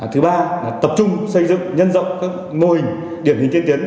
thứ ba là tập trung xây dựng nhân rộng các mô hình điển hình tiên tiến